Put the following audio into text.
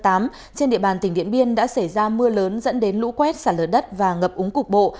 trên địa bàn tỉnh điện biên đã xảy ra mưa lớn dẫn đến lũ quét xả lở đất và ngập úng cục bộ